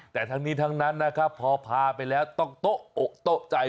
แต่ทั้งนี้ทั้งนั้นนะครับพอพาไปแล้วต้องโต๊ะอกโต๊ะใจ